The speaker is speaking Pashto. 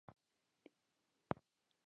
شمعی پټي ځلوه غمازان ډیر دي